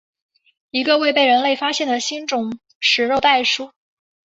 一个未被人类发现的新种食肉袋鼠。